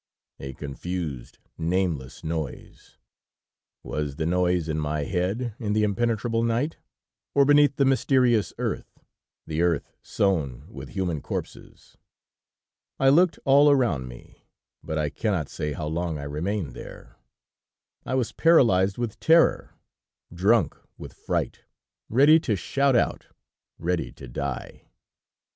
A confused, nameless noise. Was the noise in my head in the impenetrable night, or beneath the mysterious earth, the earth sown with human corpses? I looked all around me, but I cannot say how long I remained there; I was paralyzed with terror, drunk with fright, ready to shout out, ready to die.